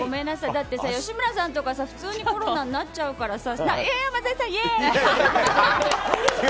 だってさ、吉村さんとか普通にコロナになっちゃうからさ。